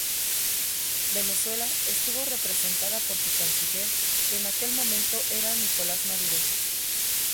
Venezuela estuvo representada por su canciller que en aquel momento era Nicolás Maduro.